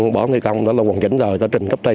bỏ thi công đã lông hoàn chỉnh rồi đã trình cấp tên